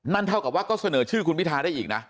เท่ากับว่าก็เสนอชื่อคุณพิทาได้อีกนะ